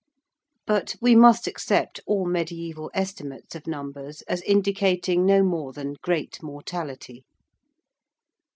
But we must accept all mediæval estimates of numbers as indicating no more than great mortality.